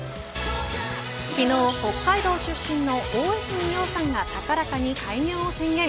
昨日北海道出身の大泉洋さんが高らかに開業を宣言。